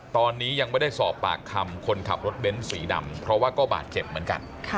ตอนนี้ยังไม่ได้สอบปากคำคนขับรถเบ้นสีดำเพราะว่าก็บาดเจ็บเหมือนกัน